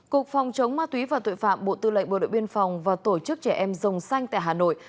cục phòng chống ma túy và tội phạm bộ tư lệnh bộ đội biên phòng và tổ chức trẻ em rồng xanh tại hà nội